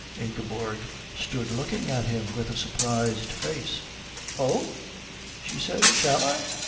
Ingeborg stood looking at him with a surprised face. "Oh?" she said. "Shall I?"